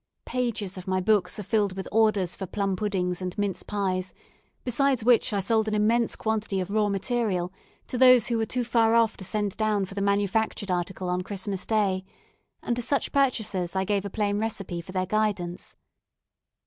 Pages of my books are filled with orders for plum puddings and mince pies, besides which I sold an immense quantity of raw material to those who were too far off to send down for the manufactured article on Christmas day, and to such purchasers I gave a plain recipe for their guidance.